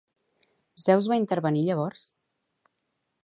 Zeus va intervenir, llavors?